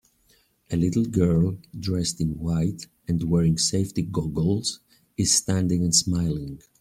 A little girl, dressed in white and wearing safety goggles, is standing and smiling.